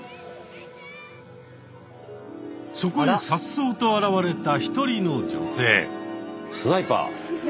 そこへさっそうと現れた１人の女性。